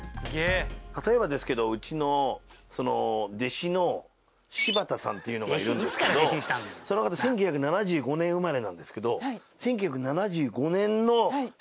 例えばですけどうちの弟子の柴田さんっていうのがいるんですけどその方１９７５年生まれなんですけど。